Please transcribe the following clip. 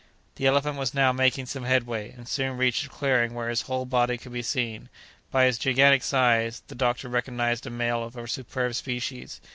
The elephant was now making some headway, and soon reached a clearing where his whole body could be seen. By his gigantic size, the doctor recognized a male of a superb species.